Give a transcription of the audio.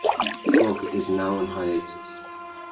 Frog" is "now on hiatus".